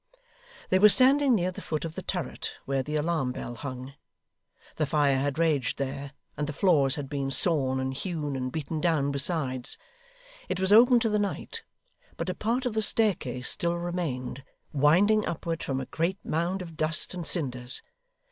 They were standing near the foot of the turret, where the alarm bell hung. The fire had raged there, and the floors had been sawn, and hewn, and beaten down, besides. It was open to the night; but a part of the staircase still remained, winding upward from a great mound of dust and cinders.